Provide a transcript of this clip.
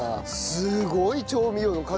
すごい調味料の数。